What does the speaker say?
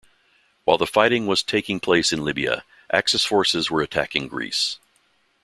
While the fighting was taking place in Libya, Axis forces were attacking Greece.